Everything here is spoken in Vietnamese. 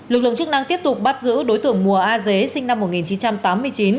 lực lượng chức năng tiếp tục bắt giữ đối tượng mùa a dế sinh năm một nghìn chín trăm tám mươi chín